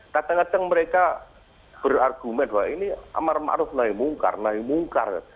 kadang kadang mereka berargumen bahwa ini ammar ma'ruf naik mungkar naik mungkar